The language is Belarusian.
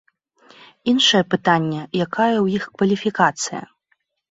Іншае пытанне, якая ў іх кваліфікацыя.